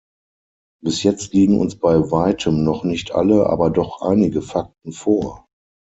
Bis jetzt liegen uns bei Weitem noch nicht alle, aber doch einige Fakten vor.